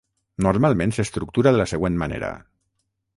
Normalment s'estructura de la següent manera.